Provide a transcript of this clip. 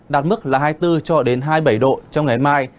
đạt mức là hai mươi bốn hai mươi bảy độ trong ngày mai